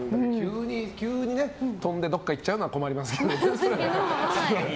急に飛んでどこか行っちゃうのは困りますけどね。